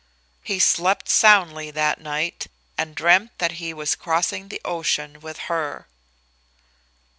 He slept soundly that night, and dreamed that he was crossing the ocean with her.